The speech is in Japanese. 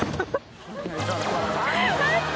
待って。